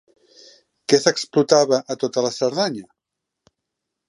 Què s'explotava a tota la Cerdanya?